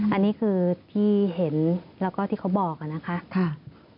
อันนี้คือที่เห็นแล้วก็ที่เขาบอกนะคะ